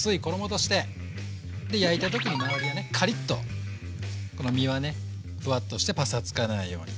で焼いた時に周りはねカリッとこの身はねふわっとしてパサつかないように。